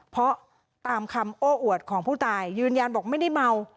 เพราะตามคำโอ้อวดของผู้ตายยืนยันบอกไม่ได้เมา